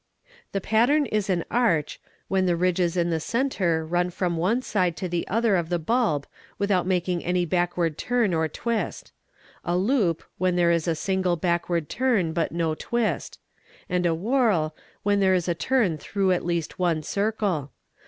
_ "The pattern is an "arch" when the ridges in the centre run from side to the other of the bulb without making any backward turn or 280 THE EXPERT twist; a "loop'' when there is a single backward turn but no twist; — and a '" whorl" when there is a turn through at least one circle.